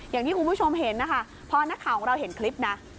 อย่างที่คุณผู้ชมเห็นนะคะพอนักข่าวของเราเห็นคลิปนะ